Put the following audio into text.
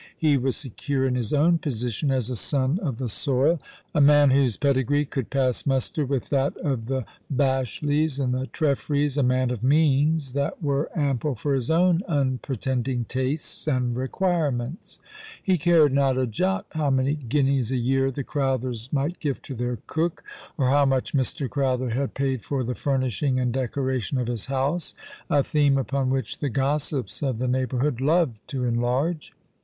He was secure in his own position as a son of My Frolic Falcon^ zvith Bright Eyes. 103 tlie soil, a man whose pedigree could pass muster with that of the Pashleighs and the Treifrys, a man of means that were ample for his own unpretending tastes and requirements. He cared not a jot how many guineas a year the Crowthers might give to their cook, or how much Mr. Crowther had paid for the furnishing and decoration of his house, a theme ui3on which the gossips of the neighbourhood loved to enlarge.